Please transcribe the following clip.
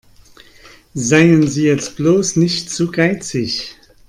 Seien Sie jetzt bloß nicht zu geizig.